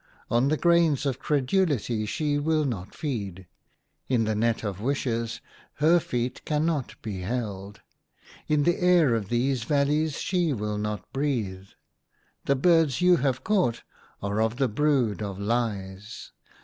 On the grains of credulity she will not feed ; in the net of wishes her feet cannot be held ; in the air of these valleys she will not breathe. The birds you have caught are of the brood of Lies.